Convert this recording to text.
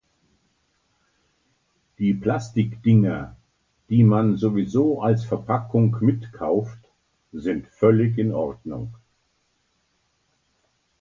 Die Plastikdinger, die man sowieso als Verpackung mitkauft, sind völlig in Ordnung.